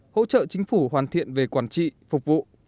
hỗ trợ chính phủ hoàn thiện về quản trị phục vụ